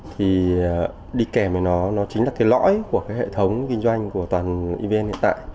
thì đi kèm với nó nó chính là cái lõi của cái hệ thống kinh doanh của toàn evn hiện tại